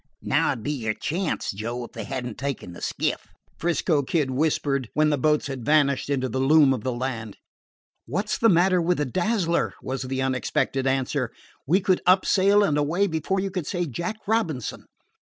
"Now 'd be your chance, Joe, if they had n't taken the skiff," 'Frisco Kid whispered, when the boats had vanished into the loom of the land. "What 's the matter with the Dazzler?" was the unexpected answer. "We could up sail and away before you could say Jack Robinson."